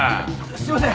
すいません！